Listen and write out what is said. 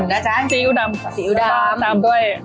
อ่าถั่วเน่าป่นนะจ๊ะซีอิ๊วดำซีอิ๊วดำตำด้วยน้ำตาติ๊บนะจ๊ะ